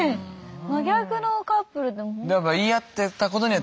真逆のカップルで。